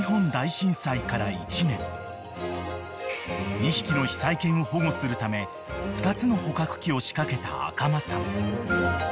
［２匹の被災犬を保護するため２つの捕獲器を仕掛けた赤間さん］